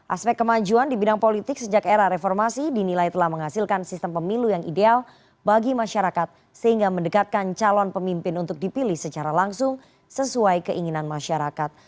aspek kemajuan di bidang politik sejak era reformasi dinilai telah menghasilkan sistem pemilu yang ideal bagi masyarakat sehingga mendekatkan calon pemimpin untuk dipilih secara langsung sesuai keinginan masyarakat